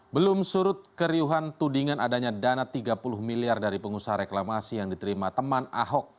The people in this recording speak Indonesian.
belum surut keriuhan tudingan adanya dana tiga puluh miliar dari pengusaha reklamasi yang diterima teman ahok